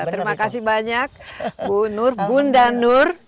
terima kasih banyak bu nur bunda nur